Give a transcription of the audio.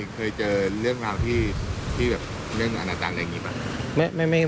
เคยเจอเรื่องราวที่แบบเรื่องอาณาจารย์อะไรอย่างนี้ป่ะ